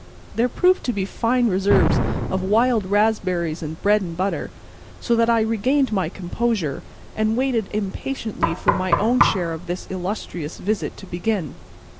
There proved to be fine reserves of wild raspberries and bread and butter, so that I regained my composure, and waited impatiently for my own share of this illustrious visit to begin.